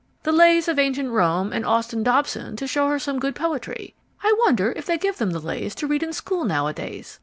The Lays of Ancient Rome and Austin Dobson to show her some good poetry. I wonder if they give them The Lays to read in school nowadays?